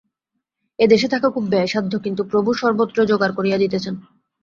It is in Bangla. এদেশে থাকা খুব ব্যয়সাধ্য, কিন্তু প্রভু সর্বত্রই যোগাড় করিয়া দিতেছেন।